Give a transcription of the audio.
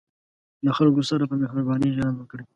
له خلکو سره په مهربانۍ چلند وکړئ.